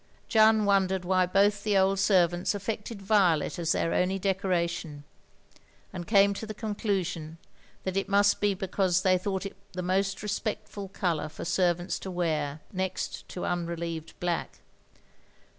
Jeanne wondered why both the old servants affected violet as their only decoration, 'and came to the conclusion that it must be because they thought it the most respectful colour for servants to wear, next to tmrelieved black.